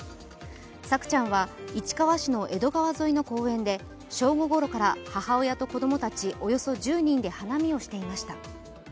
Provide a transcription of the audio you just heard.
朔ちゃんは市川市の江戸川沿いの公園で正午ごろから母親と子供たちおよそ１０人で花見をしていました。